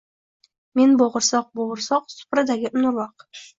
— Men bo’g’irsoq, bo’g’irsoq, supradagi un-urvoq